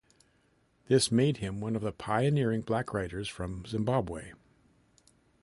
This made him one of the pioneering Black writers from Zimbabwe.